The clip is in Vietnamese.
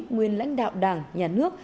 nguyên lãnh đạo đảng nhà nước